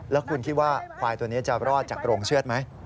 แล้วคุณคิดว่าควายตัวนี้จะรอดจากโรงเชือดไหม